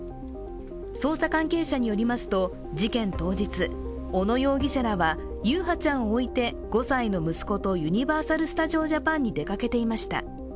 捜査関係者によりますと、事件当日小野容疑者らは優陽ちゃんを置いて５歳の息子とユニバーサル・スタジオ・ジャパンに出かけていました。